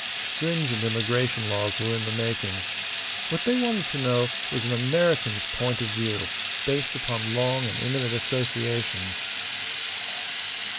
Stringent immigration laws were in the making. What they wanted to know was an American's point of view, based upon long and intimate associations.